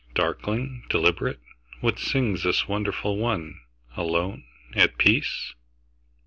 Darkling, deliberate, what singsThis wonderful one, alone, at peace?